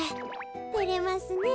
てれますねえ。